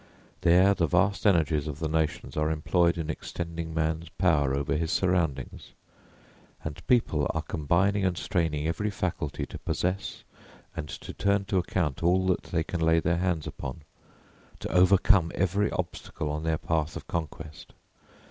There the vast energies of the nations are employed in extending man's power over his surroundings, and people are combining and straining every faculty to possess and to turn to account all that they can lay their hands upon, to overcome every obstacle on their path of conquest.